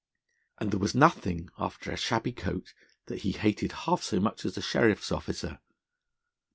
And there was nothing, after a shabby coat that he hated half so much as a sheriff's officer.